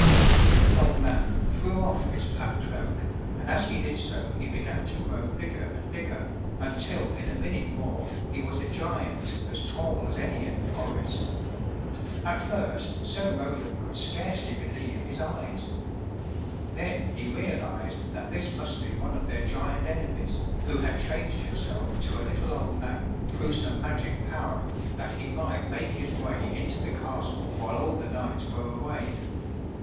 The little old man threw off his black cloak, and as he did so he began to grow bigger and bigger, until in a minute more he was a giant as tall as any in the forest. At first Sir Roland could scarcely believe his eyes. Then he realized that this must be one of their giant enemies, who had changed him self to a little old man through some magic power, that he might make his way into the castle while all the knights were away.